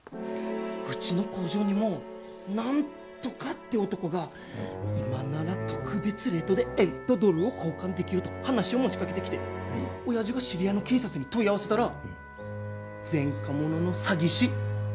うちの工場にもナントカって男が今なら特別レートで円とドルを交換できると話を持ちかけてきて親父が知り合いの警察に問い合わせたら前科者の詐欺師。